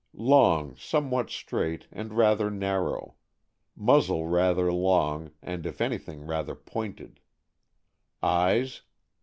— Long, somewhat straight, and rather narrow; muzzle rather long, and, if anything, rather pointed. Eyes.